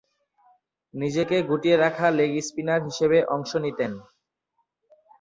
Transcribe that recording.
নিজেকে গুটিয়ে রাখা লেগ স্পিনার হিসেবে অংশ নিতেন।